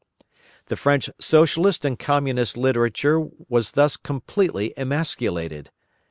The French Socialist and Communist literature was thus completely emasculated.